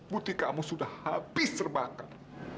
bukti kamu sudah habis terbakar